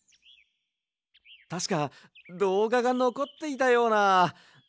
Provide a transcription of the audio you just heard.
たしかどうががのこっていたような。